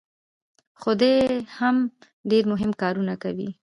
خو دی هم ډېر مهم کارونه کوي.